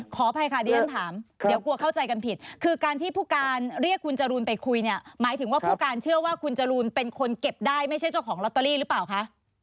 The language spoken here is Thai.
ขออภัยค่ะดิฉันถามเดี๋ยวกลัวเข้าใจกันผิดคือการที่ผู้การเรียกคุณจรูนไปคุยเนี่ยหมายถึงว่าผู้การเชื่อว่าคุณจรูนเป็นคนเก็บได้ไม่ใช่เจ้าของลอตเตอรี่หรือเปล่าคะ